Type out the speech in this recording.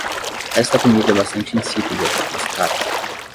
Esta comida é bastante insípida, mas cara.